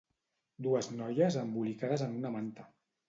Dues noies embolicades en una manta.